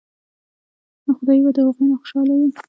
نو خدائے به د هغو نه خوشاله وي ـ